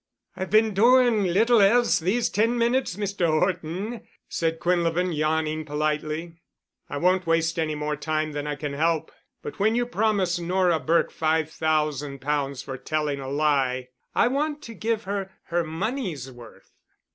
"I've been doing little else these ten minutes, Mr. Horton," said Quinlevin, yawning politely. "I won't waste any more time than I can help, but when you promise Nora Burke five thousand pounds for telling a lie I want to give her her money's worth."